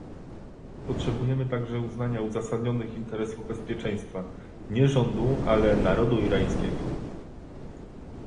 Potrzebujemy także uznania uzasadnionych interesów bezpieczeństwa, nie rządu, ale narodu irańskiego